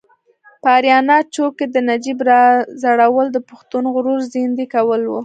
په اریانا چوک کې د نجیب راځړول د پښتون غرور زیندۍ کول و.